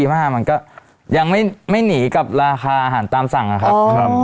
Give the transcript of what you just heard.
มันก็ยังไม่หนีกับราคาอาหารตามสั่งอะครับ